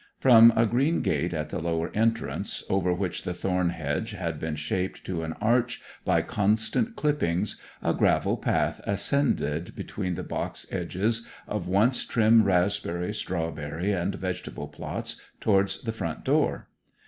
From a green gate at the lower entrance, over which the thorn hedge had been shaped to an arch by constant clippings, a gravel path ascended between the box edges of once trim raspberry, strawberry, and vegetable plots, towards the front door.